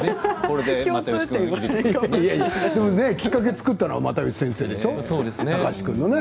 でもきっかけを作れたのは又吉先生でしょう？